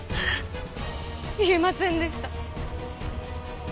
言えませんでした。